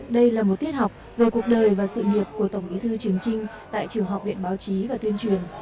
đây là một tiết học về cuộc đời và sự nghiệp của tổng bí thư trường trinh tại trường học viện báo chí và tuyên truyền